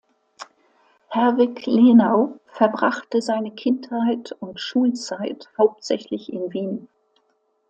Herwig Lenau verbrachte seine Kindheit und Schulzeit hauptsächlich in Wien.